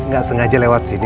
gak sengaja lewat sini